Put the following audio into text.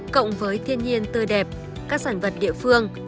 cộng với thiên nhiên tươi đẹp các sản vật địa phương